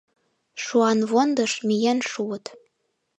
Шуанвондыш миен шуыт